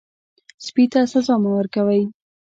سپي ته سزا مه ورکوئ.